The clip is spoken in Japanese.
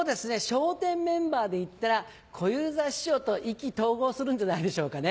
笑点メンバーで言ったら小遊三師匠と意気投合するんじゃないでしょうかね？